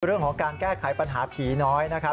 เรื่องของการแก้ไขปัญหาผีน้อยนะครับ